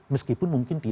meskipun mungkin tidak